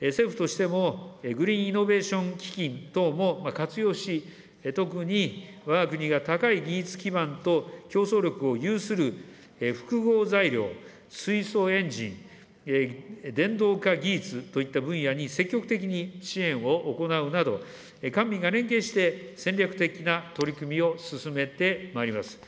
政府としても、グリーンイノベーション基金等も活用し、特にわが国が高い技術基盤と競争力を有する複合材料、水素エンジン、電動化技術といった分野に積極的に支援を行うなど、官民が連携して、戦略的な取り組みを進めてまいります。